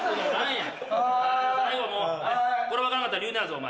最後もうこれ分からなかったら留年やぞお前。